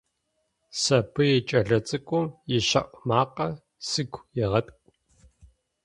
Сабый кӏэлэцӏыкӏум ищэӏу макъэ сыгу егъэткӏу.